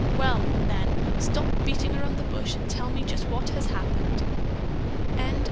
"Well, then, stop beating around the bush and tell me just what has happened."